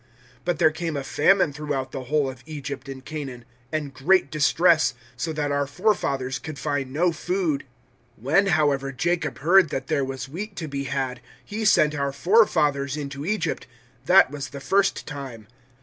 007:011 But there came a famine throughout the whole of Egypt and Canaan and great distress so that our forefathers could find no food. 007:012 When, however, Jacob heard that there was wheat to be had, he sent our forefathers into Egypt; that was the first time.